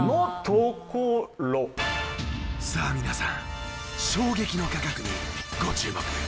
さあ皆さん衝撃の価格にご注目！